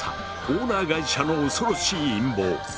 オーナー会社の恐ろしい陰謀！